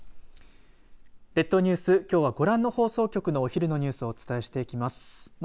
列島ニュース、きょうはご覧の放送局のお昼のニュースをお伝えしていきます。